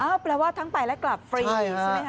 แปลว่าทั้งไปและกลับฟรีใช่ไหมคะ